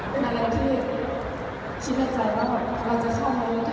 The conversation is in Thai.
เป็นอะไรที่ชินใจก็เราจะเข้าโรงเรียน